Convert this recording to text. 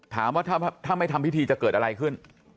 ถามว่าถ้าไม่ทำพิธีจะเกิดอะไรขึ้น